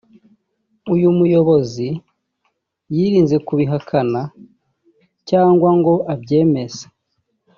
uyu muyobozi yirinze kubihakana cyangwa ngo abyemeze